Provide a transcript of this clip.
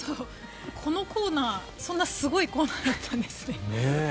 このコーナーそんなすごいコーナーだったんですね。